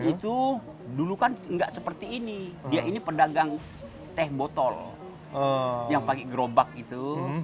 itu dulu kan nggak seperti ini dia ini pedagang teh botol yang pakai gerobak itu